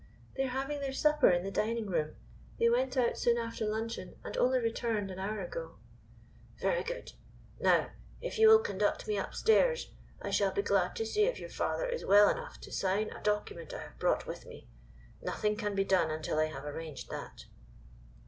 "They are having their supper in the dining room. They went out soon after luncheon, and only returned an hour ago." "Very good. Now, if you will conduct me upstairs, I shall be glad to see if your father is well enough to sign a document I have brought with me. Nothing can be done until I have arranged that."